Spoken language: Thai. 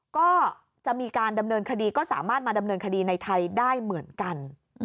ก็จะมีการดำเนินคดีก็สามารถมาดำเนินคดีในไทยได้เหมือนกัน